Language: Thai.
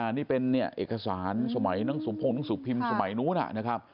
อ่านี่เป็นเนี่ยเอกสารสมัยนังสมพงศ์นังสุภิมศ์สมัยนู้นนะครับ